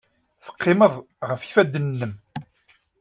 Teqqimeḍ ɣef yifadden-nnem.